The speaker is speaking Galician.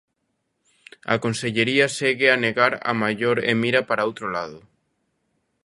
A consellería segue a negar a maior e mira para outro lado.